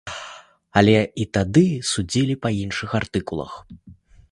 Але і тады судзілі па іншых артыкулах.